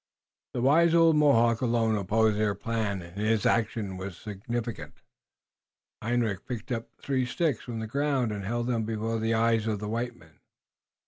The wise old Mohawk alone opposed the plan, and his action was significant. Hendrik picked up three sticks from the ground and held them before the eyes of the white men.